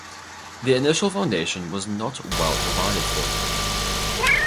The initial foundation was not well-provided for.